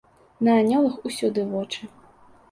На анёлах усюды вочы.